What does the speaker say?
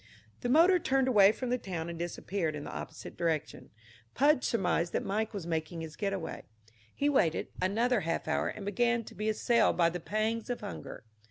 The motor turned away from the town and disappeared in the opposite direction. Pudge surmised that Mike was making his getaway. He waited another half hour and began to be assailed by the pangs of hunger.